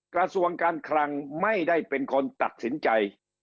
กระทรวงการคลังไม่ได้เป็นคนตัดสินใจ